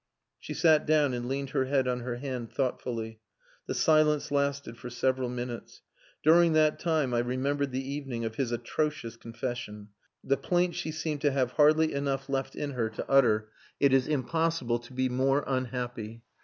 She sat down and leaned her head on her hand thoughtfully. The silence lasted for several minutes. During that time I remembered the evening of his atrocious confession the plaint she seemed to have hardly enough life left in her to utter, "It is impossible to be more unhappy...."